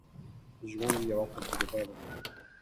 ژوند یوه تجربه ده